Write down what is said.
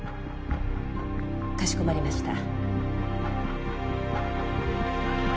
かしこまりました。